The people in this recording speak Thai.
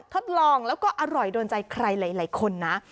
ทดลองแล้วก็อร่อยโดนใจใครหลายคนนะ